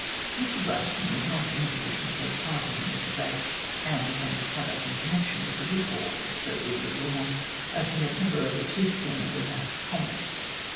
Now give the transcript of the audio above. Mr Gladstone was not in a position to take part in these debates and defend his conduct in connection with the recall of Sir Eardley Wilmot, as he had temporarily ceased to be a Member of the House of Commons.